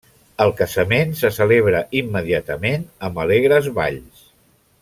El casament se celebra immediatament amb alegres balls.